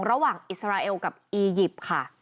ระหว่างอิสราเอลกับอียิปต์ค่ะ